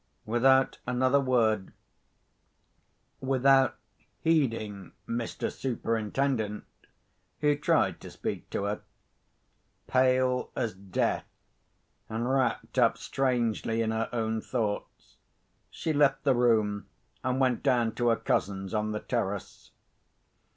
Without another word, without heeding Mr. Superintendent, who tried to speak to her, pale as death, and wrapped up strangely in her own thoughts, she left the room, and went down to her cousins on the terrace.